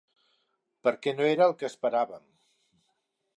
Perquè no era el que esperàvem.